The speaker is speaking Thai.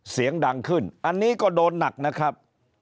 เสียงดังขึ้นอันนี้ก็โดนหนักนะครับ